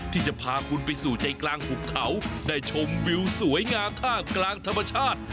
ที่จะพาคุณไปสู่ใจกลางหุบเขาได้ชมวิวสวยงามท่ามกลางธรรมชาติ